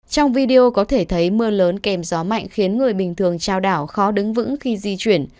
trong video có thể thấy mưa lớn kèm gió mạnh khiến người bình thường trao đảo khó đứng vững khi di chuyển